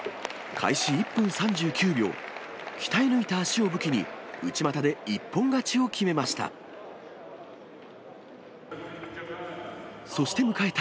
開始１分３９秒、鍛え抜いた足を武器に、内股で一本勝ちを決めました。